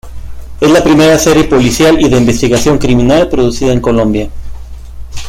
Es la primera serie policial y de investigación criminal producida en Colombia.